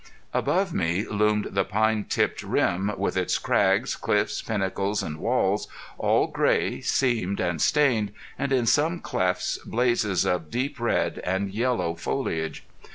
Above me loomed the pine tipped rim, with its crags, cliffs, pinnacles, and walls, all gray, seamed and stained, and in some clefts blazes of deep red and yellow foliage.